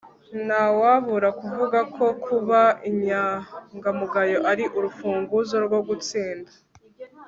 ntawabura kuvuga ko kuba inyangamugayo ari urufunguzo rwo gutsinda